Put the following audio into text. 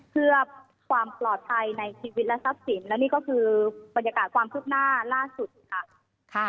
เพื่อความปลอดภัยในชีวิตและทรัพย์สินและนี่ก็คือบรรยากาศความคืบหน้าล่าสุดค่ะ